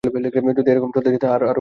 যদি এরকম চলতে দিই, আরও ভুল হবে।